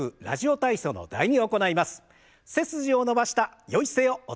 「ラジオ体操第２」。